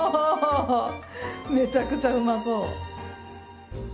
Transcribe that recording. めちゃくちゃうまそう。